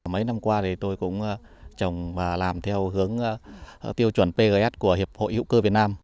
mấy năm qua thì tôi cũng trồng và làm theo hướng tiêu chuẩn pgs của hiệp hội hữu cơ việt nam